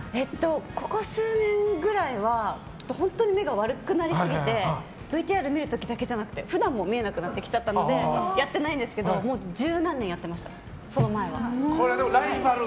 ここ数年ぐらいは本当に目が悪くなりすぎてＶＴＲを見る時だけじゃなくて普段も見えなくなってきちゃったのでやってないんですけどもう十何年やってましたその前は。